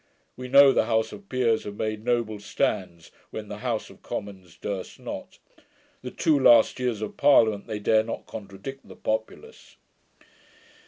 We know the House of Peers have made noble stands, when the House of Commons durst not. The two last years of Parliament they dare not contradict the populace.'